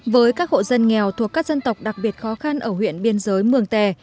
với các hộ dân nghèo thuộc các dân tộc đặc biệt khó khăn ở huyện biên giới mường tè